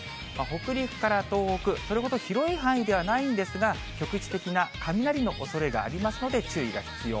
北陸から東北、それほど広い範囲ではないんですが、局地的な雷のおそれがありますので注意が必要。